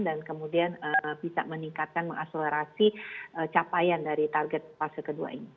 dan kemudian bisa meningkatkan mengaslerasi capaian dari target fase kedua ini